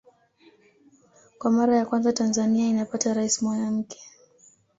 Kwa mara ya kwanza Tanzania inapata Rais mwanamke